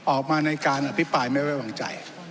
ออกมาในการอภิปรายไม่ไว้วางใจ